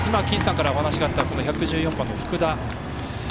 金さんから話のあった１１４番の福田。